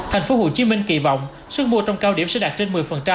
thành phố hồ chí minh kỳ vọng sức mua trong cao điểm sẽ đạt trên một mươi